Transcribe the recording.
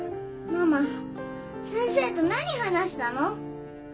ママ先生と何話したの？